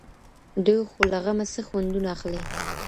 دوى خو، له غمه څه خوندونه اخلي,